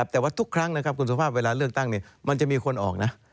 แต่ว่าทุกครั้งนะครับคุณสุภาพเวลาเลือกตั้งมันจะมีคนออกนะ